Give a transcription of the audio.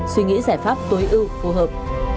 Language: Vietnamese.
suy nghĩ giải pháp tối ưu phù hợp